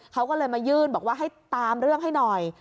เขาก็เลยมายื่นบอกว่าให้ตามเรื่องให้หน่อย